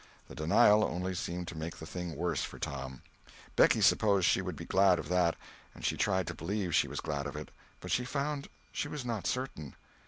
The denial only seemed to make the thing worse for Tom. Becky supposed she would be glad of that, and she tried to believe she was glad of it, but she found she was not certain.